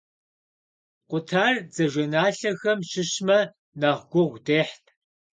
Къутар дзажэналъэхэм щыщмэ, нэхъ гугъу дехьт.